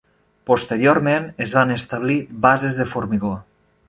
Posteriorment es van establir bases de formigó.